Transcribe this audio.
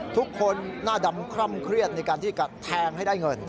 ทุกคนหน้าดำคร่ำเครียดในการที่จะแทงให้ได้เงิน